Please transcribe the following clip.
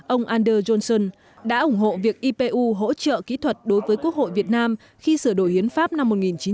ông ander johnson đã ủng hộ việc ipu hỗ trợ kỹ thuật đối với quốc hội việt nam khi sửa đổi hiến pháp năm một nghìn chín trăm tám mươi hai